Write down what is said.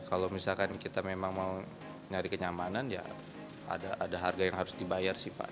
kalau misalkan kita memang mau nyari kenyamanan ya ada harga yang harus dibayar sih pak